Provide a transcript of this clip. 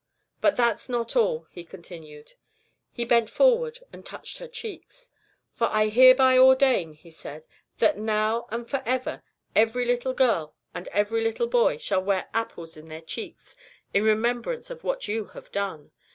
"'But that's not all,' He continued. "He bent forward and touched her cheeks. "'For I hereby ordain,' He said, 'that now and for ever every little girl and every little boy shall wear apples in their cheeks in remembrance of what you have done.